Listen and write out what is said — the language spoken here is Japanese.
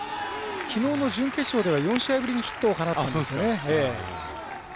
きのうの準決勝では４試合ぶりにヒットを放ってますね。